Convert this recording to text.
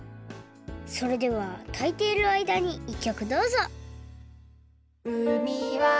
それではたいているあいだに１きょくどうぞ！